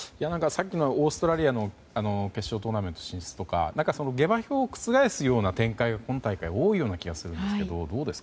オーストラリアの決勝トーナメント進出とか下馬評を覆す試合が今回は多いような気がするんですがどうですか？